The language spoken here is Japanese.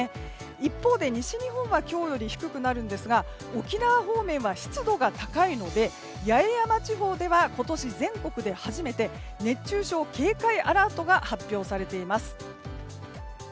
一方で西日本は今日より低くなるんですが沖縄方面は湿度が高いので八重山地方では今年全国で初めて熱中症警戒アラートが発表されています。